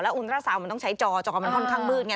อุณตราซาวมันต้องใช้จอจอมันค่อนข้างมืดไง